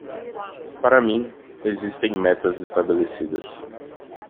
Para mim, existem metas estabelecidas.